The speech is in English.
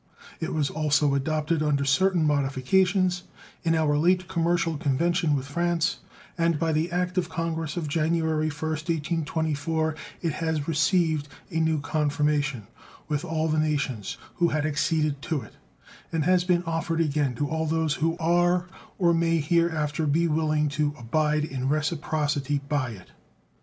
It was also adopted, under certain modifications, in our late commercial convention with France, and by the act of Congress of January 1st, 1824, it has received a new confirmation with all the nations who had acceded to it, and has been offered again to all those who are or may here after be willing to abide in reciprocity by it.